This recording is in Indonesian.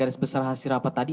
garis besar hasil rapat tadi